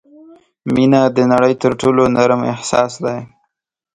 • مینه د نړۍ تر ټولو نرم احساس دی.